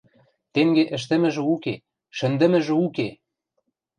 Тенге ӹштӹмӹжӹ уке, шӹндӹмӹжӹ уке!